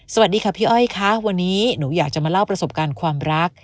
สวัสดีค่ะพี่อ้อยค่ะวันนี้หนูอยากจะมาเล่าประสบการณ์ความรัก